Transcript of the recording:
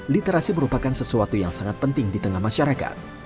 literasi merupakan sesuatu yang sangat penting di tengah masyarakat